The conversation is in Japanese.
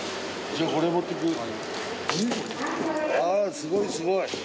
あすごいすごい。